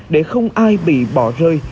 để không ai bị bỏ rơi